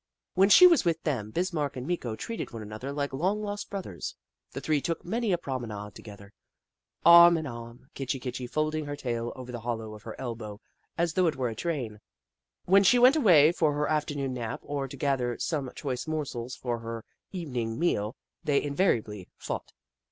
When she was with them, Bismarck and Meeko treated one another like long lost brothers. The Kitchi Kitchi 99 three took many a promenade together, arm in arm, Kitchi Kitchi folding her tail over the hollow of her elbow as though it were a train. When she went away for her afternoon nap, or to gather some choice morsels for her even ing meal, they invariably fought.